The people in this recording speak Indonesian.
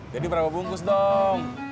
jadi berapa bungkus dong